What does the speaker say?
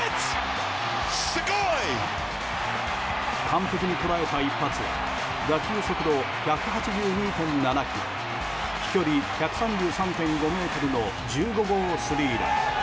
完璧に捉えた一発は打球速度１８２．７キロ飛距離１３３．５ｍの１５号スリーラン。